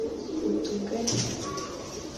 Utugari